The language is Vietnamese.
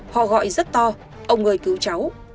họ gọi rất to ông người cứu cháu